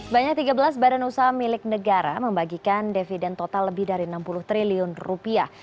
banyak tiga belas badan usaha milik negara membagikan dividen total lebih dari enam puluh triliun rupiah